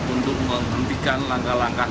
untuk menghentikan langkah langkah